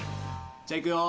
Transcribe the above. じゃあいくよ。